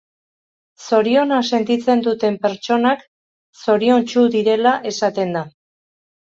Zoriona sentitzen duten pertsonak zoriontsu direla esaten da.